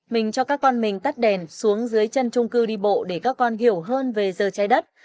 mình cho các con mình tắt đèn xuống dưới chân trung cư đi bộ để các con hiểu hơn về giờ trái đất